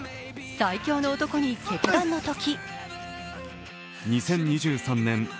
最強の男に決断のとき。